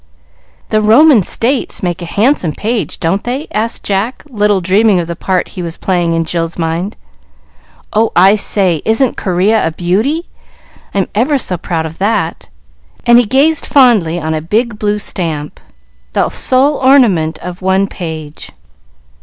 "The Roman States make a handsome page, don't they?" asked Jack, little dreaming of the part he was playing in Jill's mind. "Oh, I say, isn't Corea a beauty? I'm ever so proud of that;" and he gazed fondly on a big blue stamp, the sole ornament of one page.